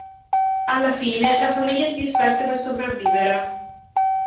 Alla fine, la famiglia si disperse per sopravvivere.